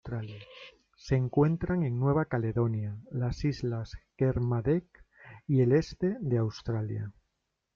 Se encuentran en Nueva Caledonia, las Islas Kermadec y el este de Australia.